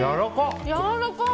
やわらかい！